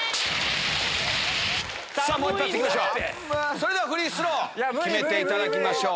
それではフリースロー決めていただきましょう。